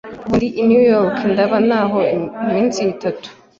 Ubu ndi i New York. Ndara hano iminsi itatu.